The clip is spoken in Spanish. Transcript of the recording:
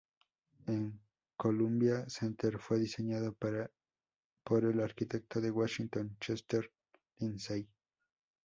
El Columbia Center fue diseñado por el arquitecto de Washington Chester L. Lindsey.